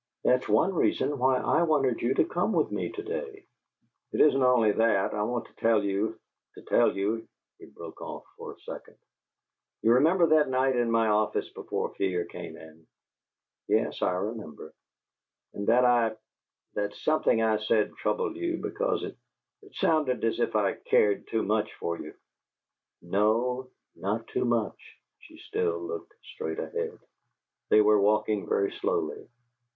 "That is one reason why I wanted you to come with me to day." "It isn't only that. I want to tell you to tell you " He broke off for a second. "You remember that night in my office before Fear came in?" "Yes; I remember." "And that I that something I said troubled you because it it sounded as if I cared too much for you " "No; not too much." She still looked straight ahead. They were walking very slowly.